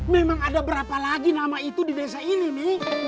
memang ada berapa lagi nama itu di desa ini nih